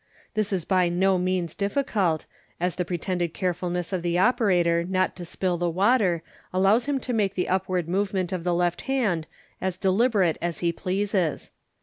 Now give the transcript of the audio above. This is by no means difficult, as the pretended carefulness of the operator not to spill the water allows him to make the upward move ment of the left hand as deliberate as he pleases.